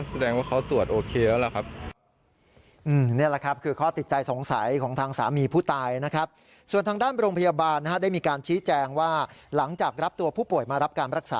ทางคุณหมอนะครับคือข้อติดใจสงสัยของทางสามีผู้ตายนะครับ